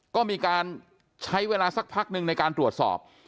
ก็มีการใช้เวลาสักพักหนึ่งในการตรวจสอบ